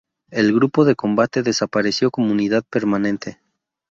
El grupo de combate desapareció como unidad permanente.